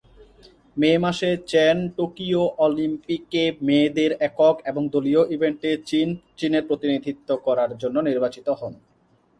মে মাসে, Chen Tokyo অলিম্পিকে মেয়েদের একক এবং দলীয় ইভেন্টে চীনের প্রতিনিধিত্ব করার জন্য নির্বাচিত হন।